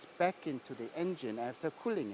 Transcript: kembali ke dalam mesin setelah dikosong